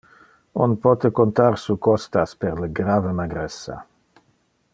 On pote contar su costas per le grave magressa.